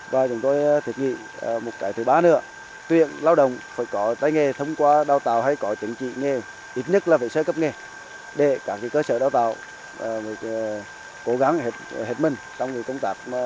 và chúng tôi thuyết nhị một cái thứ ba nữa chuyện lao động phải có tài nghề thông qua đào tạo hay có chính trị nghề ít nhất là phải sơ cấp nghề để các cơ sở đào tạo cố gắng hết mình trong việc công tác